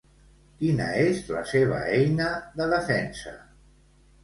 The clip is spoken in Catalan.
Quina és la seva eina de defensa?